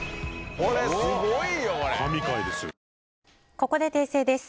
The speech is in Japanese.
ここで訂正です。